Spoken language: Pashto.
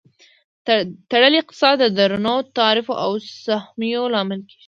تړلی اقتصاد د درنو تعرفو او سهمیو لامل کیږي.